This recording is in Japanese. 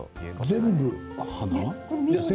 全部、花？